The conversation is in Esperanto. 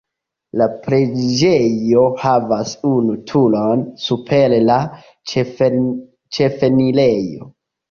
La preĝejo havas unu turon super la ĉefenirejo.